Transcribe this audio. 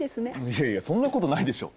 いやいやそんなことないでしょ。